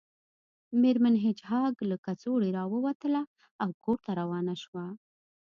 میرمن هیج هاګ له کڅوړې راووتله او کور ته روانه شوه